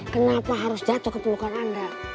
kenapa harus jatuh kepelukan anda